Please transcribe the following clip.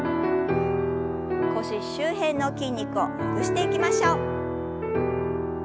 腰周辺の筋肉をほぐしていきましょう。